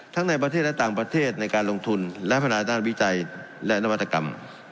ในประเทศและต่างประเทศในการลงทุนและพัฒนาด้านวิจัยและนวัตกรรม